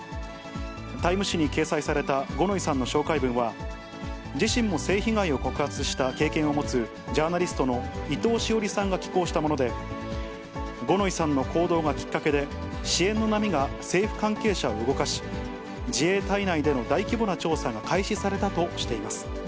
タイム誌に掲載された五ノ井さんの紹介文は、自身も性被害を告発した経験を持つジャーナリストの伊藤詩織さんが寄稿したもので、五ノ井さんの行動がきっかけで、支援の波が政府関係者を動かし、自衛隊内での大規模な調査が開始されたとしています。